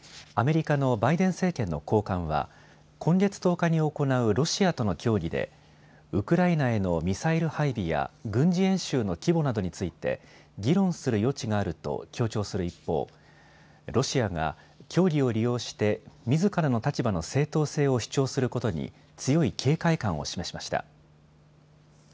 アメリカのバイデン政権の高官は今月１０日に行うロシアとの協議でウクライナへのミサイル配備や軍事演習の規模などについて議論する余地があると強調する一方、ロシアが協議を利用してみずからの立場の正当性を主張することに強い警戒感を示しました。